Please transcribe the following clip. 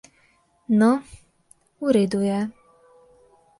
No, v redu je.